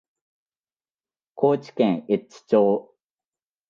高知県越知町